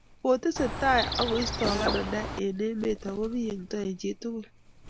Kotesetai akoisto bananda eng emetab ako biyengto eng chitugul